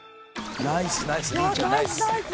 ナイスナイス。